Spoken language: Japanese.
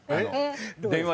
電話！